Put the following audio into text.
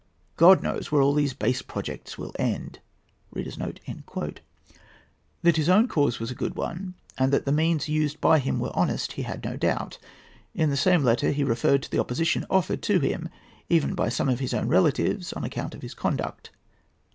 God knows where all these base projects will end." That his own cause was a good one, and that the means used by him were honest, he had no doubt. In the same letter he referred to the opposition offered to him, even by some of his own relatives, on account of his conduct.